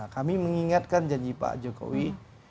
kami mengingatkan janji pak jokowi